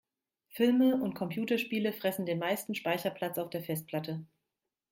Filme und Computerspiele fressen den meisten Speicherplatz auf der Festplatte.